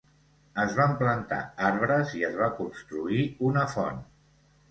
Es van plantar arbres i es va construir una font.